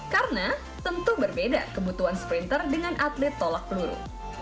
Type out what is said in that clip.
karena tentu berbeda kebutuhan sprinter dengan atlet tolak peluru